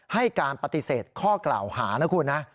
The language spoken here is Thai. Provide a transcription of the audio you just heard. ให้การปฏิเสธข้อกล่าวหานะคุณนะ